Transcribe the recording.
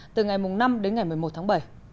từ ngày năm đến ngày một mươi một tháng bảy